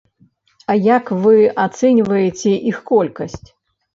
А як вы ацэньваеце іх колькасць?